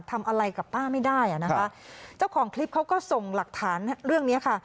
ทำอะไรกับป้าไม่ได้อ่ะนะคะเจ้าของคลิปเขาก็ส่งหลักฐานเรื่องเนี้ยค่ะ